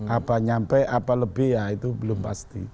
apa nyampe apa lebih ya itu belum pasti